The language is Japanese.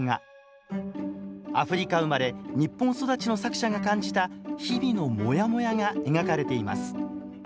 アフリカ生まれ日本育ちの作者が感じた日々のモヤモヤが描かれています。